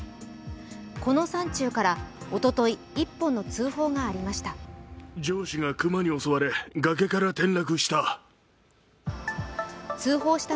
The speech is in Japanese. この山中から、おととい一本の通報がありました。